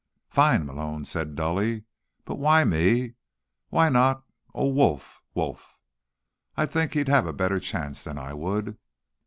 "Fine," Malone said dully. "But why me? Why not, oh, Wolfe Wolf? I'd think he'd have a better chance than I would."